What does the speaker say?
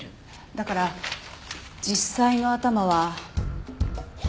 だから実際の頭は。